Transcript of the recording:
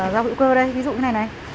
rau hữu cơ đây ví dụ cái này này